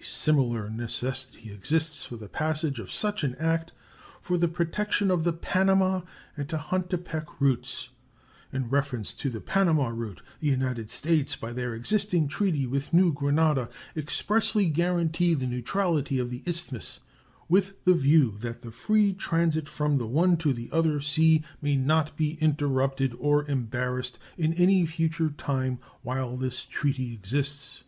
A similar necessity exists for the passage of such an act for the protection of the Panama and Tehuantepec routes. In reference to the Panama route, the United States, by their existing treaty with New Granada, expressly guarantee the neutrality of the Isthmus, "with the view that the free transit from the one to the other sea may not be interrupted or embarrassed in any future time while this treaty exists."